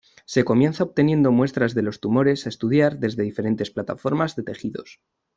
Se comienza obteniendo muestras de los tumores a estudiar desde diferentes plataformas de tejidos.